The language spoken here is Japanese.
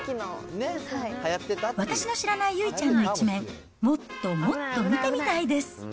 私の知らない由衣ちゃんの一面、もっともっと見てみたいです。